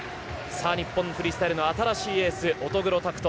日本のフリースタイルの新しいエース、乙黒拓斗